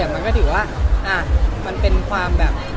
แต่มันก็ถือว่ามันเป็นความแบบ